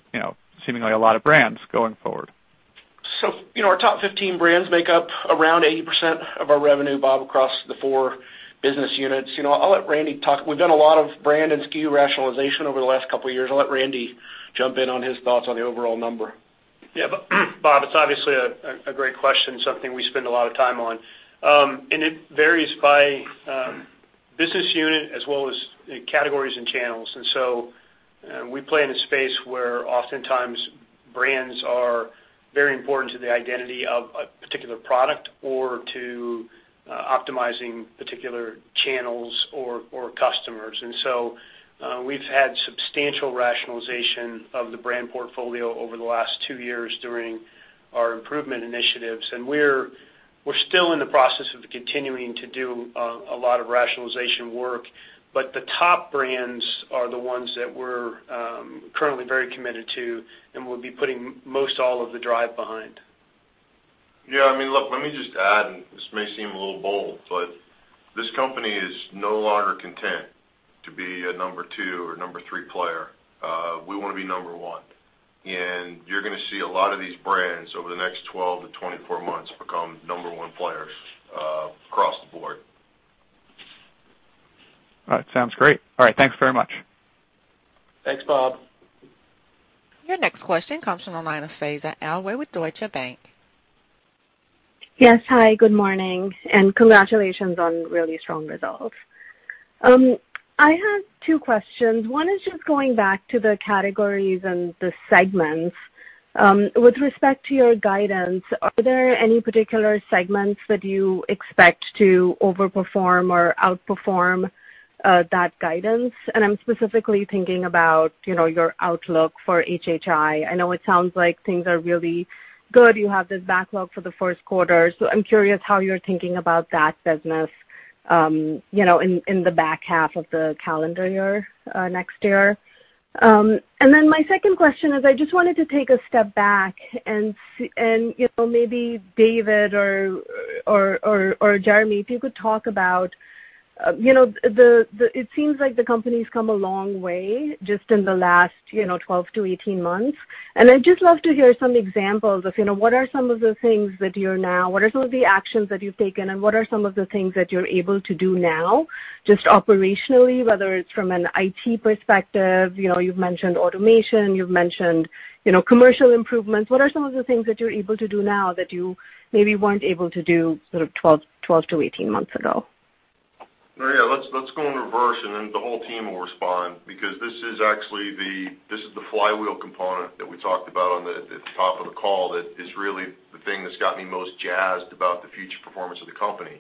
seemingly a lot of brands going forward? Our top 15 brands make up around 80% of our revenue, Bob, across the four business units. I'll let Randy talk. We've done a lot of brand and SKU rationalization over the last couple of years. I'll let Randy jump in on his thoughts on the overall number. Yeah, Bob, it's obviously a great question, something we spend a lot of time on. It varies by business unit as well as categories and channels. We play in a space where oftentimes brands are very important to the identity of a particular product or to optimizing particular channels or customers. We've had substantial rationalization of the brand portfolio over the last two years during our improvement initiatives. We're still in the process of continuing to do a lot of rationalization work. The top brands are the ones that we're currently very committed to and will be putting most all of the drive behind. Yeah. Look, let me just add, and this may seem a little bold, but this company is no longer content to be a number two or number three player. We want to be number one, and you're going to see a lot of these brands over the next 12-24 months become number one players across the Board. All right. Sounds great. All right. Thanks very much. Thanks, Bob. Your next question comes from the line of Faiza Alwy with Deutsche Bank. Yes. Hi, good morning. Congratulations on really strong results. I have two questions. One is just going back to the categories and the segments. With respect to your guidance, are there any particular segments that you expect to overperform or outperform that guidance? I'm specifically thinking about your outlook for HHI. I know it sounds like things are really good. You have this backlog for the first quarter. I'm curious how you're thinking about that business in the back half of the calendar year, next year. My second question is, I just wanted to take a step back and maybe David or Jeremy, if you could talk about, it seems like the company's come a long way just in the last 12-18 months. I'd just love to hear some examples of what are some of the actions that you've taken, and what are some of the things that you're able to do now, just operationally, whether it's from an IT perspective, you've mentioned automation, you've mentioned commercial improvements. What are some of the things that you're able to do now that you maybe weren't able to do sort of 12-18 months ago? Faiza, let's go in reverse, and then the whole team will respond, because this is actually the flywheel component that we talked about on the top of the call that is really the thing that's got me most jazzed about the future performance of the company.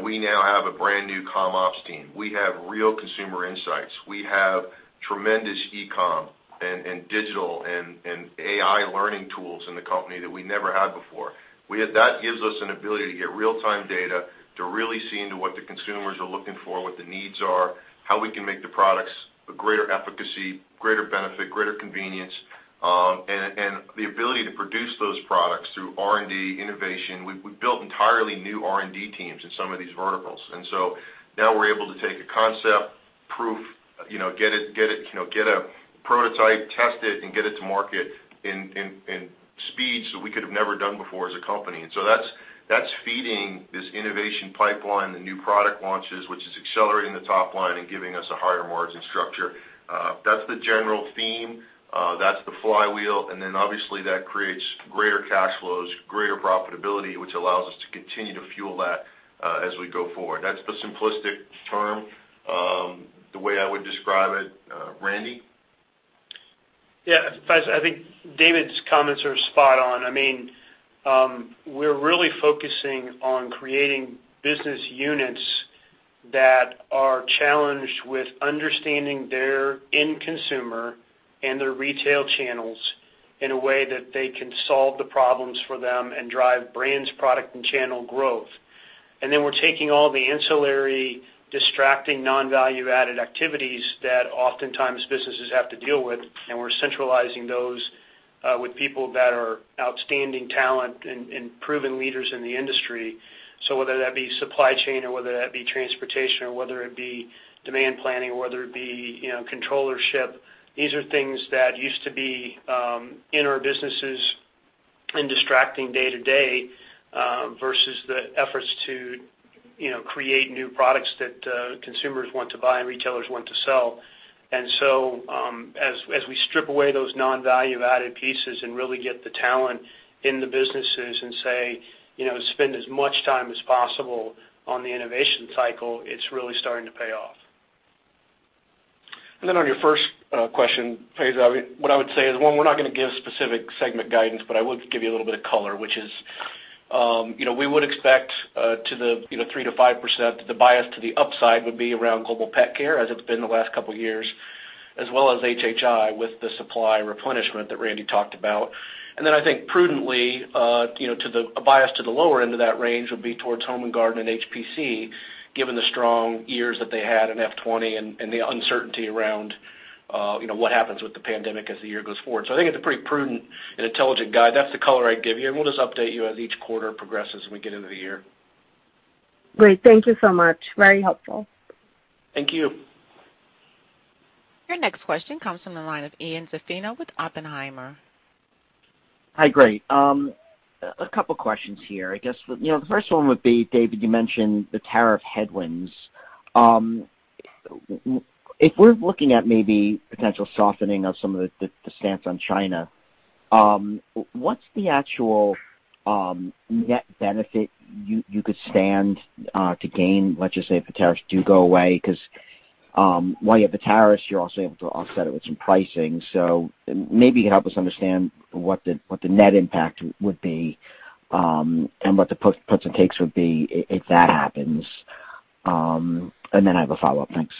We now have a brand new comm ops team. We have real consumer insights. We have tremendous e-com and digital and AI learning tools in the company that we never had before. That gives us an ability to get real-time data to really see into what the consumers are looking for, what the needs are, how we can make the products a greater efficacy, greater benefit, greater convenience, and the ability to produce those products through R&D innovation. We built entirely new R&D teams in some of these verticals. Now we're able to take a concept, proof, get a prototype, test it, and get it to market in speeds that we could have never done before as a company. That's feeding this innovation pipeline, the new product launches, which is accelerating the top line and giving us a higher margin structure. That's the general theme. That's the flywheel. Obviously that creates greater cash flows, greater profitability, which allows us to continue to fuel that as we go forward. That's the simplistic term, the way I would describe it. Randy? Yeah, Faiza, I think David's comments are spot on. We're really focusing on creating business units that are challenged with understanding their end consumer and their retail channels in a way that they can solve the problems for them and drive brands, product, and channel growth. We're taking all the ancillary, distracting, non-value-added activities that oftentimes businesses have to deal with, and we're centralizing those with people that are outstanding talent and proven leaders in the industry. Whether that be supply chain or whether that be transportation or whether it be demand planning or whether it be controllership, these are things that used to be in our businesses and distracting day to day versus the efforts to create new products that consumers want to buy and retailers want to sell. As we strip away those non-value-added pieces and really get the talent in the businesses and say, "Spend as much time as possible on the innovation cycle," it's really starting to pay off. On your first question, Faiza, what I would say is, one, we're not going to give specific segment guidance, but I would give you a little bit of color, which is, we would expect to the 3%-5%, the bias to the upside would be around Global Pet Care, as it's been the last couple of years, as well as HHI with the supply replenishment that Randy talked about. I think prudently, a bias to the lower end of that range would be towards Home & Garden and HPC, given the strong years that they had in FY 2020 and the uncertainty around what happens with the pandemic as the year goes forward. I think it's a pretty prudent and intelligent guide. That's the color I'd give you, and we'll just update you as each quarter progresses when we get into the year. Great. Thank you so much. Very helpful. Thank you. Your next question comes from the line of Ian Zaffino with Oppenheimer. Hi, great. A couple questions here. I guess, the first one would be, David, you mentioned the tariff headwinds. If we're looking at maybe potential softening of some of the stance on China, what's the actual net benefit you could stand to gain, let's just say, if the tariffs do go away? While you have the tariffs, you're also able to offset it with some pricing. Maybe help us understand what the net impact would be and what the puts and takes would be if that happens. I have a follow-up. Thanks.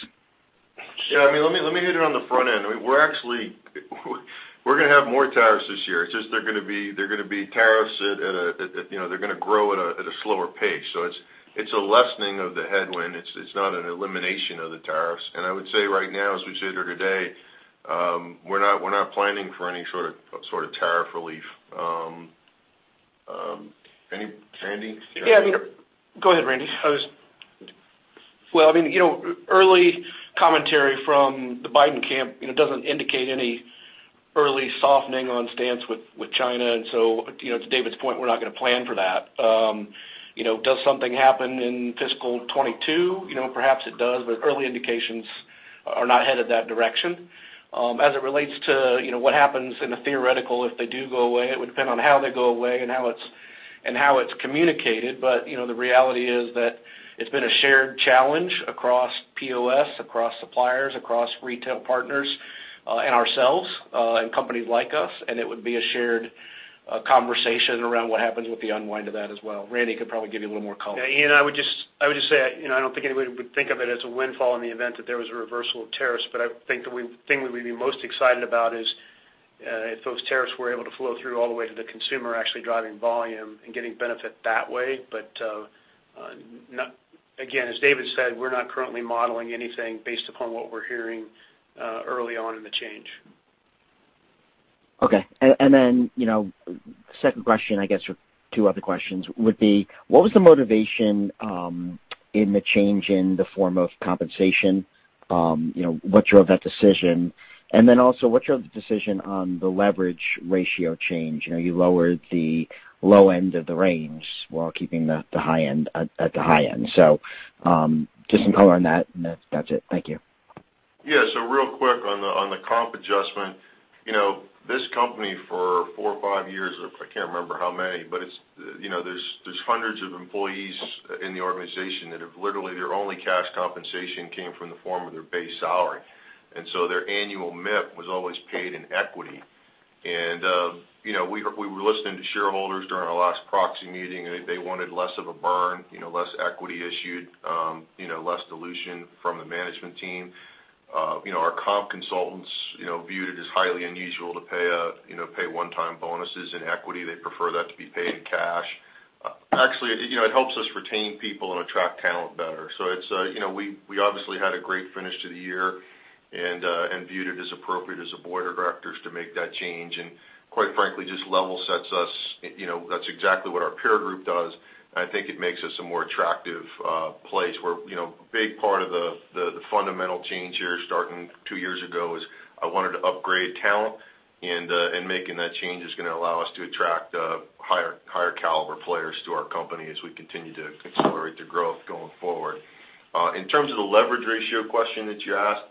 Yeah. Let me hit it on the front end. We're going to have more tariffs this year. It's just they're going to be tariffs. They're going to grow at a slower pace. It's a lessening of the headwind. It's not an elimination of the tariffs. I would say right now, as we sit here today, we're not planning for any sort of tariff relief. Any Randy? Yeah, I mean. Go ahead, RandyWell, early commentary from the Biden camp, it doesn't indicate any early softening on stance with China. To David's point, we're not going to plan for that. Does something happen in fiscal 2022? Perhaps it does, early indications are not headed that direction. As it relates to what happens in the theoretical, if they do go away, it would depend on how they go away and how it's communicated. The reality is that it's been a shared challenge across POS, across suppliers, across retail partners and ourselves, and companies like us, and it would be a shared conversation around what happens with the unwind of that as well. Randy could probably give you a little more color. Ian, I would just say, I don't think anybody would think of it as a windfall in the event that there was a reversal of tariffs. I think the thing that we'd be most excited about is if those tariffs were able to flow through all the way to the consumer, actually driving volume and getting benefit that way. Again, as David said, we're not currently modeling anything based upon what we're hearing early on in the change. Okay. Second question, I guess, or two other questions would be: what was the motivation in the change in the form of compensation? What drove that decision? Then also, what drove the decision on the leverage ratio change? You lowered the low end of the range while keeping the high end at the high end. Just some color on that, and that's it. Thank you. Yeah. Real quick on the comp adjustment. This company for four or five years, I can't remember how many, but there's hundreds of employees in the organization that have literally, their only cash compensation came from the form of their base salary. Their annual MIP was always paid in equity. We were listening to shareholders during our last proxy meeting, they wanted less of a burn, less equity issued, less dilution from the management team. Our comp consultants viewed it as highly unusual to pay one-time bonuses in equity. They'd prefer that to be paid in cash. Actually, it helps us retain people and attract talent better. We obviously had a great finish to the year and viewed it as appropriate as a Board of Directors to make that change. Quite frankly, just level sets us. That's exactly what our peer group does. I think it makes us a more attractive place where, a big part of the fundamental change here, starting two years ago, is I wanted to upgrade talent, and making that change is going to allow us to attract higher caliber players to our company as we continue to accelerate the growth going forward. In terms of the leverage ratio question that you asked,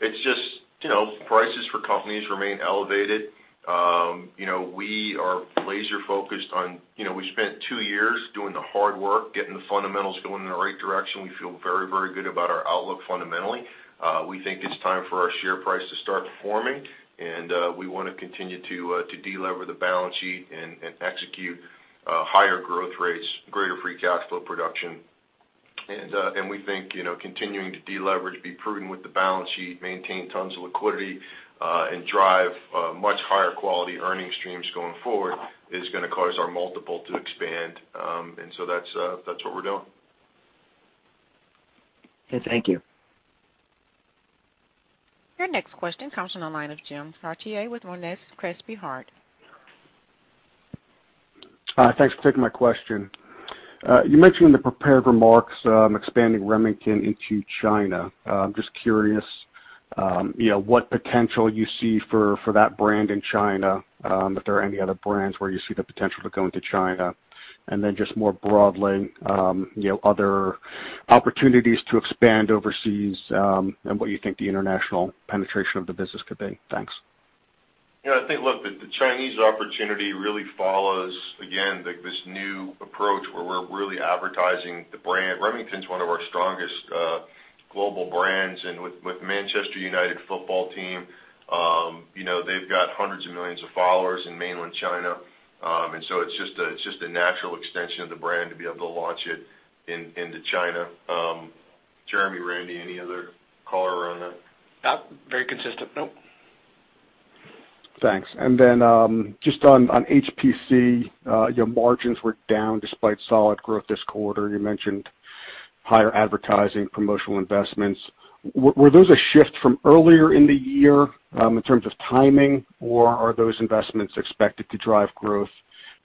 it's just prices for companies remain elevated. We are laser-focused on. We spent two years doing the hard work, getting the fundamentals going in the right direction. We feel very, very good about our outlook fundamentally. We think it's time for our share price to start performing, and we want to continue to de-lever the balance sheet and execute higher growth rates, greater free cash flow production. We think continuing to de-leverage, be prudent with the balance sheet, maintain tons of liquidity, and drive much higher quality earning streams going forward is going to cause our multiple to expand. That's what we're doing. Okay, thank you. Your next question comes on the line of Jim Chartier with Monness, Crespi, Hardt. Thanks for taking my question. You mentioned in the prepared remarks, expanding Remington into China. I'm just curious what potential you see for that brand in China, if there are any other brands where you see the potential to go into China. Then just more broadly, other opportunities to expand overseas, and what you think the international penetration of the business could be. Thanks. Yeah, I think, look, the Chinese opportunity really follows, again, this new approach where we're really advertising the brand. Remington's one of our strongest global brands, and with Manchester United football team, they've got hundreds of millions of followers in Mainland China. It's just a natural extension of the brand to be able to launch it into China. Jeremy, Randy, any other color around that? No. Very consistent. Nope. Thanks. Just on HPC, your margins were down despite solid growth this quarter. You mentioned higher advertising, promotional investments. Were those a shift from earlier in the year, in terms of timing, or are those investments expected to drive growth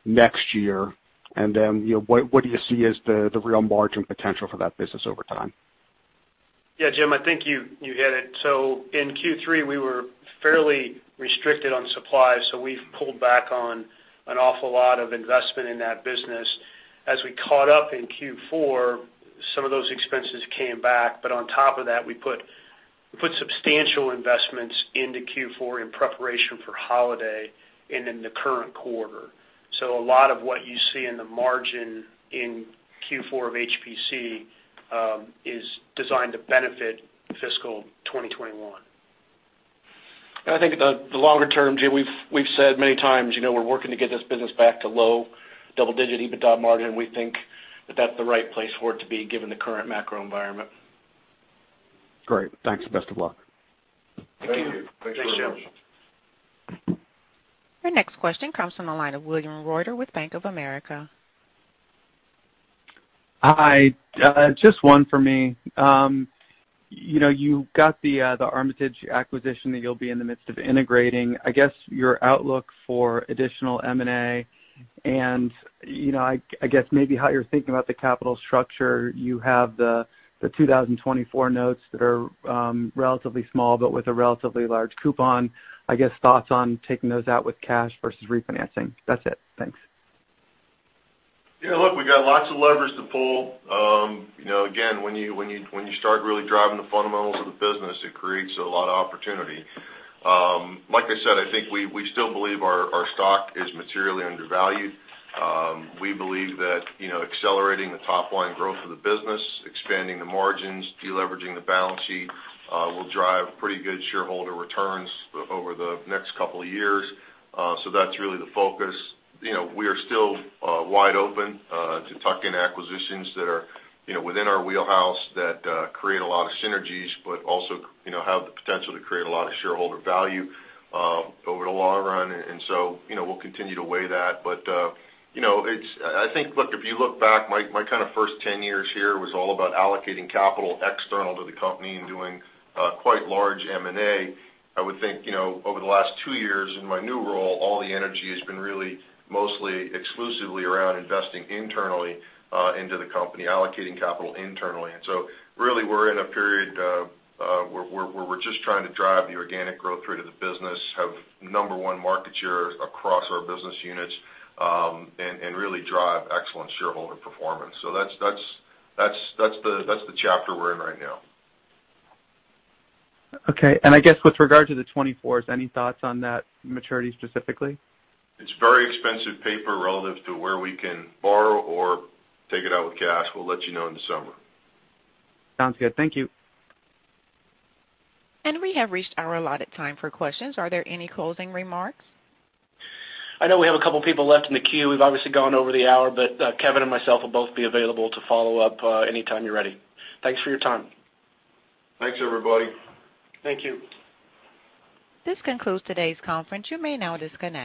next year? What do you see as the real margin potential for that business over time? Yeah, Jim, I think you hit it. In Q3, we were fairly restricted on supply, so we pulled back on an awful lot of investment in that business. As we caught up in Q4, some of those expenses came back, but on top of that, we put substantial investments into Q4 in preparation for holiday and in the current quarter. A lot of what you see in the margin in Q4 of HPC is designed to benefit fiscal 2021. I think the longer term, Jim, we've said many times, we're working to get this business back to low double-digit EBITDA margin. We think that that's the right place for it to be, given the current macro environment. Great. Thanks, and best of luck. Thank you. Thank you. Thanks, Jim. Your next question comes from the line of William Reuter with Bank of America. Hi. Just one for me. You got the Armitage acquisition that you'll be in the midst of integrating. Your outlook for additional M&A and maybe how you're thinking about the capital structure. You have the 2024 notes that are relatively small, but with a relatively large coupon. Thoughts on taking those out with cash versus refinancing. That's it. Thanks. Yeah, look, we got lots of levers to pull. Again, when you start really driving the fundamentals of the business, it creates a lot of opportunity. Like I said, I think we still believe our stock is materially undervalued. We believe that accelerating the top-line growth of the business, expanding the margins, de-leveraging the balance sheet, will drive pretty good shareholder returns over the next couple of years, so that's really the focus. We are still wide open to tuck-in acquisitions that are within our wheelhouse that create a lot of synergies, but also have the potential to create a lot of shareholder value over the long run. We'll continue to weigh that. I think, look, if you look back, my kind of first 10 years here was all about allocating capital external to the company and doing quite large M&A. I would think, over the last two years in my new role, all the energy has been really mostly exclusively around investing internally into the company, allocating capital internally. Really, we're in a period where we're just trying to drive the organic growth rate of the business, have number one market shares across our business units, and really drive excellent shareholder performance. That's the chapter we're in right now. Okay. I guess with regard to the 2024s, any thoughts on that maturity specifically? It's very expensive paper relative to where we can borrow or take it out with cash. We'll let you know in the summer. Sounds good. Thank you. We have reached our allotted time for questions. Are there any closing remarks? I know we have a couple people left in the queue. We've obviously gone over the hour. Kevin and myself will both be available to follow up anytime you're ready. Thanks for your time. Thanks, everybody. Thank you. This concludes today's conference. You may now disconnect.